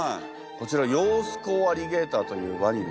こちらヨウスコウアリゲーターというわにですね。